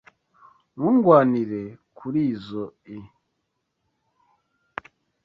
Ntundwanire kurizoi.